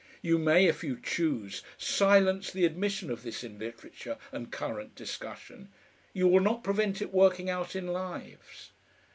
You may, if you choose, silence the admission of this in literature and current discussion; you will not prevent it working out in lives.